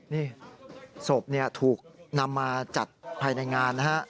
นี่ศพถูกนำมาจัดภายในงานนะฮะ